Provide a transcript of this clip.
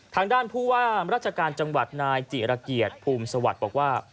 ทางด้านผู้ว่าราชการจังหวัดนายจิรเกียรติภูมิสวัสดิ์บอกว่า